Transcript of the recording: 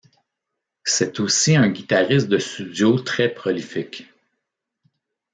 C'est aussi un guitariste de studio très prolifique.